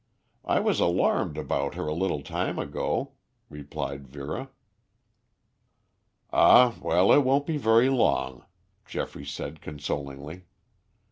I was alarmed about her a little time ago," replied Vera. "Ah, well, it won't be very long," Geoffrey said consolingly.